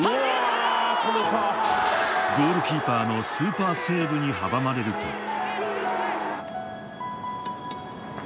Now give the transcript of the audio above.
ゴールキーパーのスーパーセーブに阻まれると。